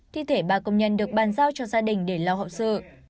thi thể ba công nhân được bàn giao cho gia đình để lo hậu sự